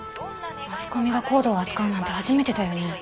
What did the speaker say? マスコミがＣＯＤＥを扱うなんて初めてだよね。